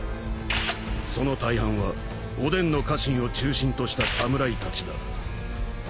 その大半はおでんの家臣を中心とした侍たちだ。